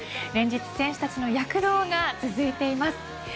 連日、選手たちの躍動が続いています。